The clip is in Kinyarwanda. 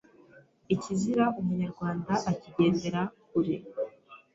Ikizira Umunyarwanda akigendera kure